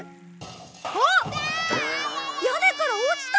あっ屋根から落ちた！